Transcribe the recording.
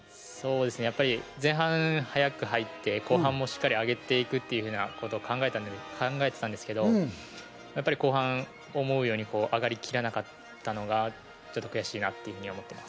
前半、早く入って、後半もしっかり上げていくっていうふうなことを考えていたんですけど、やっぱり後半、思うように上がりきらなかったのがちょっと悔しいなと思ってます。